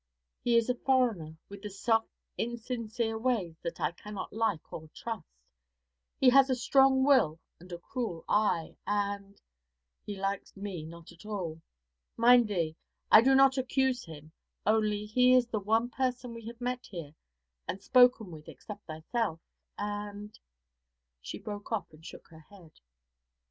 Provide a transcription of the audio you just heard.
He is a foreigner, with the soft, insincere ways that I cannot like nor trust. He has a strong will and a cruel eye, and he likes me not at all. Mind thee, I do not accuse him only he is the one person we have met here and spoken with except thyself; and ' She broke off and shook her head.